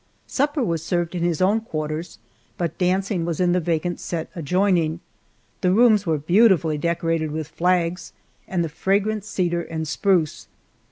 Supper was served in his own quarters, but dancing was in the vacant set adjoining. The rooms were beautifully decorated with flags, and the fragrant cedar and spruce.